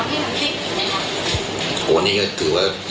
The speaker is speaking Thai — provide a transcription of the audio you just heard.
โอ้โหนี่ก็คือว่าเยอะนะครับหมายถึงว่าพลิกกลับไปเหรอ